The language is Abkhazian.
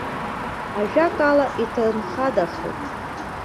Ажәакала, иҭынхадахеит.